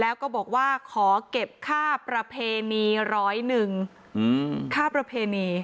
แล้วก็บอกว่าขอเก็บค่าประเพณีร้อยนึงอืม